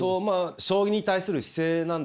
将棋に対する姿勢なんですよね。